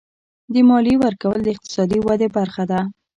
د مالیې ورکول د اقتصادي ودې برخه ده.